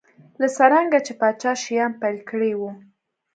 لکه څرنګه چې پاچا شیام پیل کړی و.